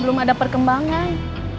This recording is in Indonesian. belum ada perkembangan